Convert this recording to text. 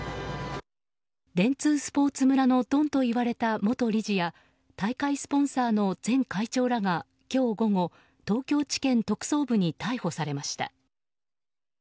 電通スポーツ村のドンと呼ばれた元理事や大会スポンサーの前会長らが今日午後東京地検特捜部に逮捕されました。